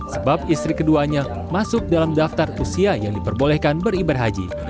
sebab istri keduanya masuk dalam daftar usia yang diperbolehkan beribadah haji